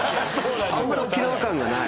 あんまり沖縄感がない。